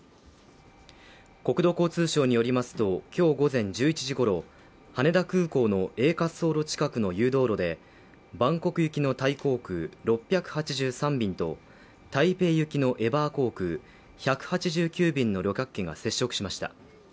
国土交通省によりますと今日午前１１時ごろ羽田空港のＡ滑走路近くの誘導路でバンコク行きのタイ航空６８３便と、台北行きのエバー航空１８９便の旅客機が接触しました。